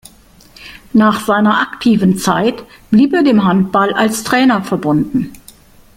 Nach seiner aktiven Zeit blieb er dem Handball als Trainer verbunden.